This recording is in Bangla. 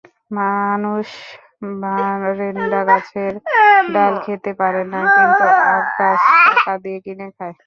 মানুষ ভ্যারেন্ডাগাছের ডাল খেতে পারে না, কিন্তু আখগাছ টাকা দিয়ে কিনে খায়।